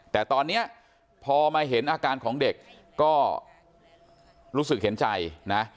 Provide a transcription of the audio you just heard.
แต่ตอนนี้พอมาเห็นอาการของเด็กก็รู้สึกเห็นใจนะ